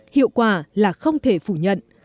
hiệu quả là không thể phủ nhận